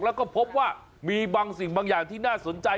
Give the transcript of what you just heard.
แล้วก็พบว่ามีบางสิ่งบางอย่างที่น่าสนใจ